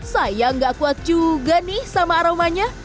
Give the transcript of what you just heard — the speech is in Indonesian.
saya gak kuat juga nih sama aromanya